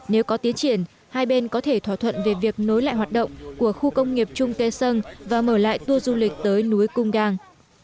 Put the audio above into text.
nếu có tiến triển hai bên có thể thỏa thuận về việc nối lại hoạt động của khu công nghiệp trung tây sơn và mở lại tour du lịch tới núi cung đang